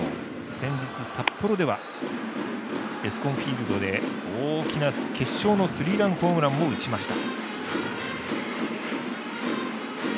先日、札幌ではエスコンフィールドで大きな決勝のスリーランホームランも打ちました。